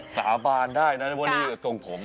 สาบานได้นะวันนี้ส่วนผม